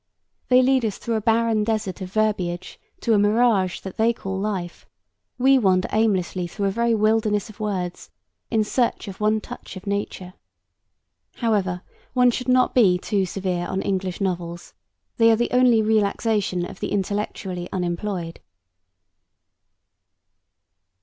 They lead us through a barren desert of verbiage to a mirage that they call life; we wander aimlessly through a very wilderness of words in search of one touch of nature. However, one should not be too severe on English novels: they are the only relaxation of the intellectually unemployed.